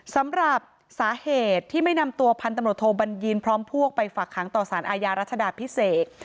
สำหรับสาเหตุที่ไม่นำตัวพันตำรวจโทบัญญีนพร้อมพวกไปฝากหางต่อสารอาญารัชดาพิเศษ